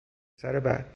پسر بد